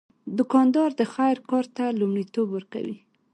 دوکاندار د خیر کار ته لومړیتوب ورکوي.